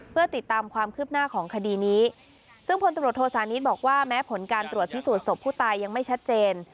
เพื่อติดตามความคืบหน้าของคดีนี้ซึ่งพลตำรวจโทษานิทบอกว่าแม้ผลการตรวจพิสูจนศพผู้ตายยังไม่ชัดเจน